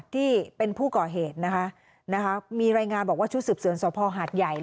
ที่เป็นผู้ก่อเหตุนะคะมีรายงานบอกว่าชุดสืบสวนสภหาดใหญ่